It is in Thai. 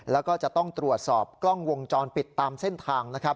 แล้วก็จะต้องตรวจสอบกล้องวงจรปิดตามเส้นทางนะครับ